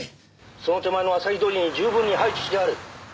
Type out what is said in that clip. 「その手前のあさひ通りに十分に配置してある」